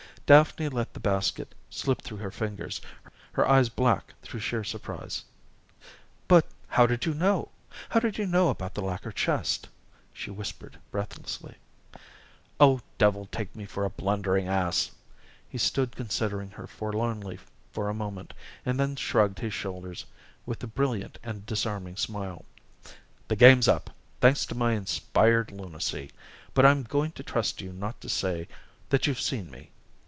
Daphne let the basket slip through her fingers, her eyes black through sheer surprise. "But how did you know how did you know about the lacquer chest?" she whispered breathlessly. "'Oh, devil take me for a blundering ass!" He stood considering her forlornly for a moment, and then shrugged his shoulders, with the brilliant and disarming smile. "The game's up, thanks to my inspired lunacy! But I'm going to trust you not to say that you've seen me.